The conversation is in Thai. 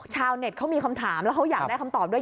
ชาวเน็ตเขามีคำถามแล้วเขาอยากได้คำตอบด้วย